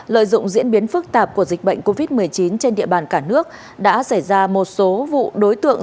lợi dụng diễn biến phức tạp của dịch bệnh covid một mươi chín trên địa bàn cả nước đã xảy ra một số vụ đối tượng